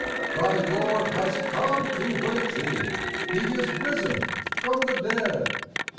thy Lord has come to wake thee, He is risen from the dead.